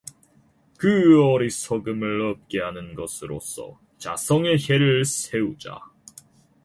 그 어리석음을 없게 하는 것으로써 자성의 혜를 세우자.